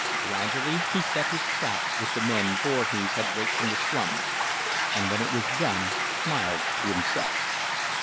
Gradually he set his trap with the men Voorhees had raked from the slums, and when it was done smiled to himself.